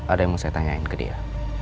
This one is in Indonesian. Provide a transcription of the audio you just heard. ada yang mau saya tanyain ke dia